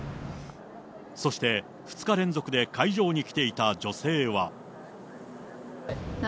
そして、２日連続で会場に来ていた女性は。